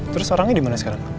terus orangnya dimana sekarang